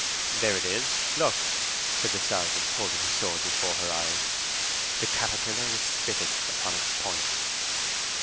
"There it is, look," said the sergeant, holding his sword before her eyes. The caterpillar was spitted upon its point.